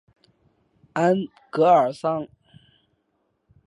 安戈尔桑。